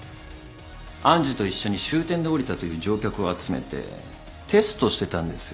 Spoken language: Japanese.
愛珠と一緒に終点で降りたという乗客を集めてテストしてたんですよ。